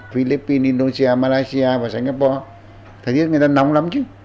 philippines indonesia malaysia và singapore thật nhất người ta nóng lắm chứ